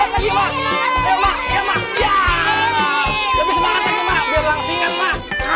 lebih semangat lagi ma biar langsung inget ma